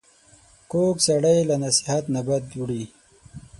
کوږ سړی له نصیحت نه بد وړي